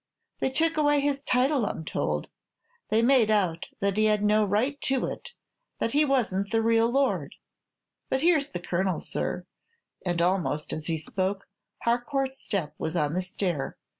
They took away his title, I'm told. They made out that he had no right to it, that he wasn't the real lord. But here's the Colonel, sir;" and almost as he spoke, Harcourt's step was on the stair.